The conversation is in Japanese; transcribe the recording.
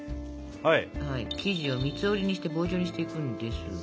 生地を三つ折りにして棒状にしていくんですが。